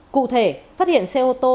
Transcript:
cụ thể phát hiện xe ô tô